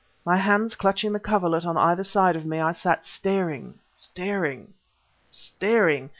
My hands clutching the coverlet on either side of me, I sat staring, staring, staring